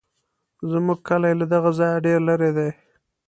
زموږ کلی له دغه ځایه ډېر لرې دی.